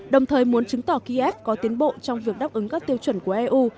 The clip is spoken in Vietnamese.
đồng thời muốn chứng tỏ kiev có tiến bộ trong việc đáp ứng các tiêu chuẩn của eu